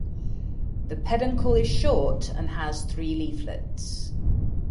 The peduncle is short and has three leaflets.